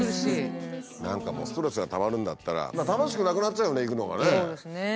何かもうストレスがたまるんだったら楽しくなくなっちゃうよね行くのがね。